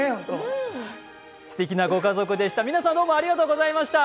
すてきなご家族でした。